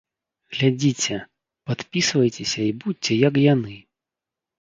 Глядзіце, падпісвайцеся і будзьце як яны!